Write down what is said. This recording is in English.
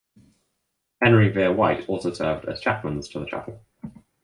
Henry Vere White also served as chaplains to the chapel.